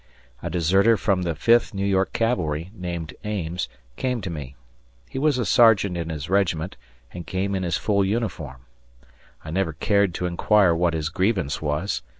A deserter from the Fifth New York Cavalry, named Ames, came to me. He was a sergeant in his regiment and came in his full uniform. I never cared to inquire what his grievance was.